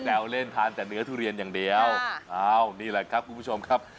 แววเล่นทานแต่เนื้อทุเรียนอย่างเดียวอ้าวนี่แหละครับคุณผู้ชมครับ